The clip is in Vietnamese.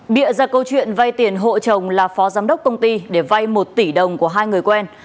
bịa ra câu chuyện vay tiền hộ chồng là phó giám đốc công ty để vay một tỷ đồng của hai người quen